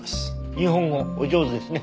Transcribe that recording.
日本語お上手ですね。